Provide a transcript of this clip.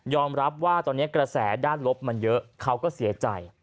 รับว่าตอนนี้กระแสด้านลบมันเยอะเขาก็เสียใจ